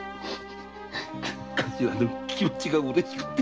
カシラの気持ちがうれしくって。